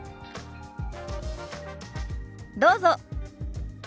どうぞ。